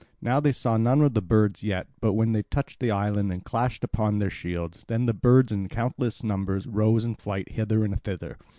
Now they saw none of the birds yet, but when they touched the island and clashed upon their shields, then the birds in countless numbers rose in flight hither and thither.